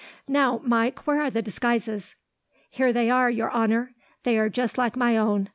"Now, Mike, where are the disguises?" "Here they are, your honour. They are just like my own.